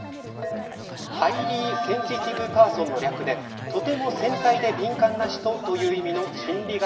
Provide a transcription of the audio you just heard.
ハイリーセンシティブパーソンの略でとても繊細で敏感な人という意味の心理学